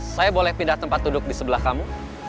saya boleh pindah tempat duduk di sebelah kamu